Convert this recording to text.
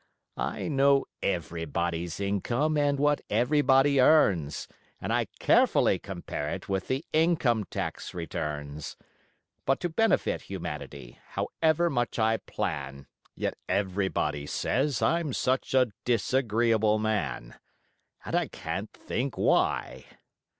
I know everybody's income and what everybody earns, And I carefully compare it with the income tax returns; But to benefit humanity, however much I plan, Yet everybody says I'm such a disagreeable man! And I can't think why!